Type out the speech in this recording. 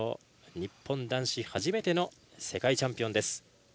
日本男子初めての世界チャンピオンです。